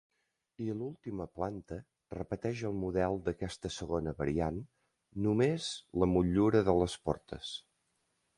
I l'última planta repeteix el model d'aquesta segona variant només la motllura de les portes.